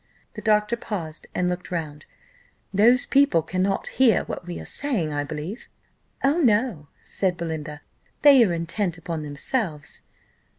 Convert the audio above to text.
The doctor paused and looked round. "Those people cannot hear what we are saying, I believe?" "Oh, no," said Belinda, "they are intent upon themselves."